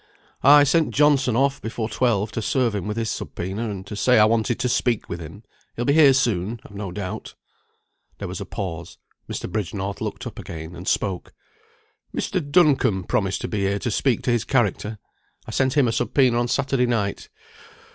"I sent Johnson off before twelve to serve him with his sub poena, and to say I wanted to speak with him; he'll be here soon, I've no doubt." There was a pause. Mr. Bridgenorth looked up again, and spoke. "Mr. Duncombe promised to be here to speak to his character. I sent him a subpoena on Saturday night.